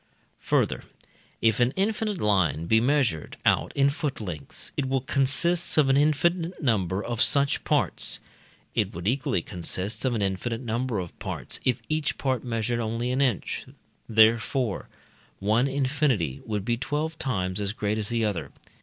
Further, if an infinite line be measured out in foot lengths, it will consist of an infinite number of such parts; it would equally consist of an infinite number of parts, if each part measured only an inch: therefore, one infinity would be twelve times as great as the other.